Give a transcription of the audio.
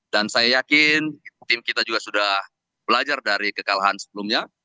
dan saya yakin tim kita juga sudah belajar dari kekalahan sebelumnya